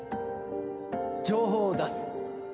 情報を出す。